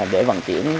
để vận chuyển